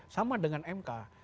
sama dengan mk